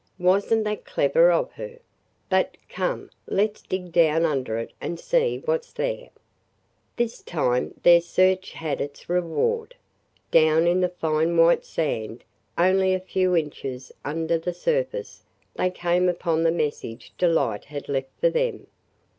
Was n't that clever of her! But, come, let 's dig down under it and see what 's there!" This time their search had its reward. Down in the fine white sand, only a few inches under the surface, they came upon the message Delight had left for them.